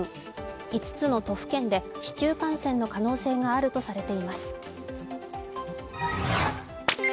５つの都府県で市中感染の可能性があるとされています。